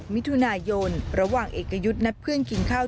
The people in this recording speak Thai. มิถุนายนระหว่างเอกยุทธ์นัดเพื่อนกินข้าว